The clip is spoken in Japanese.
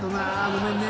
ごめんね。